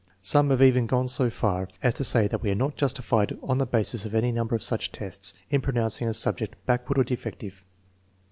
Some have even gone so far as to say that we are not justified, on the basis of any number of such tests, in pronouncing a subject backward or defective.